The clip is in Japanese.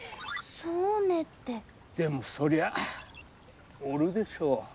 「そうね」ってでもそりゃあおるでしょう。